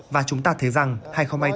và chúng ta thấy rằng